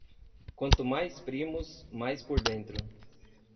Quanto mais primos, mais por dentro.